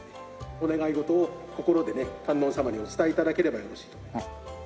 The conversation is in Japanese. お願い事を心でね観音様にお伝え頂ければよろしいと思います。